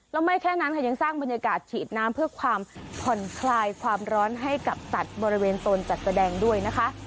แล้วไม่แค่นั้นค่ะยังสร้างบรรยากาศฉีดน้ำเพื่อความผ่อนคลายความร้อนให้กับสัตว์บริเวณตนจัดแสดงด้วยนะคะ